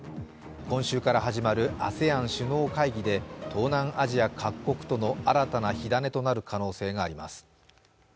今週から始まるＡＳＥＡＮ首脳会議で、東南アジア各国との新たな火種となる可能性があります。